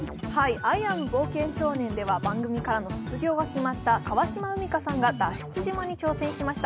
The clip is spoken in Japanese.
「アイ・アム・冒険少年」では番組からの卒業が決まった川島海荷さんが脱出島に挑戦しました。